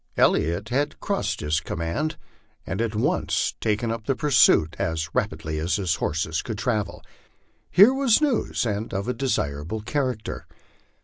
Elliot had crossed his command, and at once taken up the pursuit as rapidly as his horses could travel. Here was news, and of a desirable character.